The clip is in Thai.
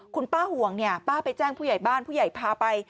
คุณป้าห่วงเนี่ยป้าไปแจ้งผู้ใหญ่บ้านผู้ใหญ่พาไป